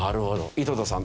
井戸田さん